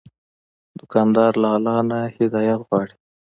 دوکاندار له الله نه هدایت غواړي.